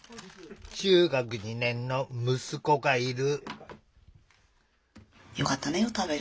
中学２年の息子がいる。